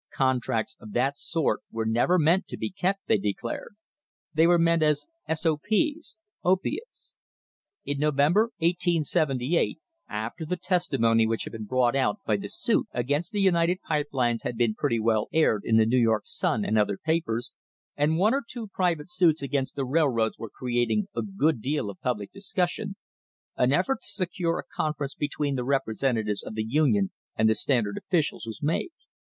Contracts of that sort were never meant to be J kept, they declared. They were meant as "sops, opiates." In November, 1878, after the testimony which had been brought out by the suit against the United Pipe Lines had been pretty well aired in the New York Sun and other papers, and one or two private suits against the railroads were creating a good deal of public discussion, an effort to secure a conference between the representatives of the Union and the Standard officials was made.